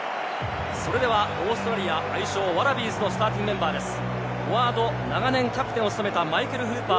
それではオーストラリア、ワラビーズのスターティングメンバーです。